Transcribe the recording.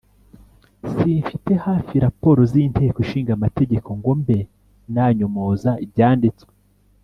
simfite hafi rapports z' inteko ishinga amategeko ngo mbe nanyomoza ibyanditswe